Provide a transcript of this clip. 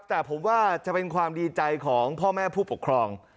แต่ผมว่าจะเป็นความดีใจของพ่อแม่ผู้ปกครอง